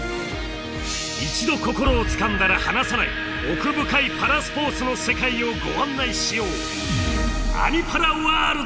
一度心をつかんだら離さない奥深いパラスポーツの世界をご案内しよう！